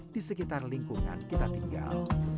di sekitar lingkungan kita tinggal